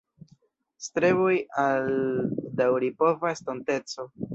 Streboj al daŭripova estonteco.